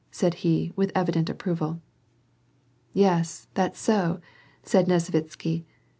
" said he, with evident approval. " Yes, that's so," said Nesvitsky.